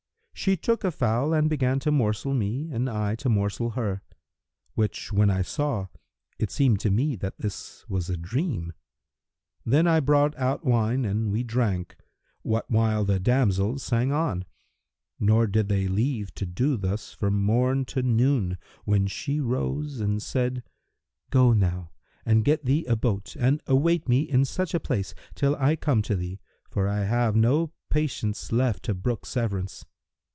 She took a fowl and began to morsel me and I to morsel her; which when I saw, it seemed to me that this was a dream. Then I brought out wine and we drank, what while the damsels sang on; nor did they leave to do thus from morn to noon, when she rose and said, 'Go now and get thee a boat and await me in such a place, till I come to thee: for I have no patience left to brook severance.'